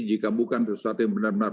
jika bukan sesuatu yang benar benar